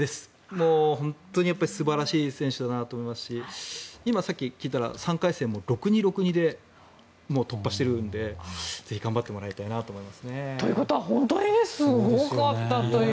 もう本当に素晴らしい選手だなと思いますし今、さっき聞いたら３回戦も６−２、６−２でもう突破しているのでぜひ頑張ってもらいたいなと思いますね。ということは本当にすごかったという。